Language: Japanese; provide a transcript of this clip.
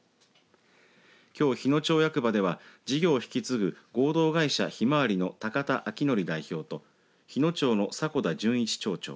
きょう日野町役場では事業を引き継ぐ合同会社ひまわりの高田昭徳代表と日野町の、さこ田淳一町長